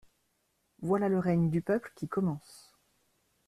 Voilà le règne du peuple qui commence.